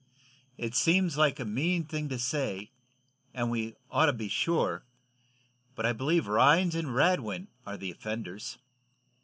"It seems like a mean thing to say, and we ought to be sure, but I believe Rhinds and Radwin are the offenders."